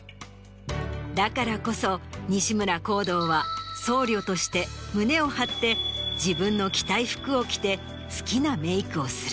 だからこそ西村宏堂は僧侶として胸を張って自分の着たい服を着て好きなメイクをする。